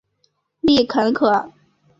丽肯可